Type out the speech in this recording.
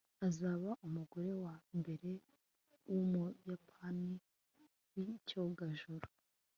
Azaba umugore wa mbere wumuyapani wicyogajuru